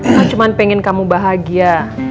aku cuma pengen kamu bahagia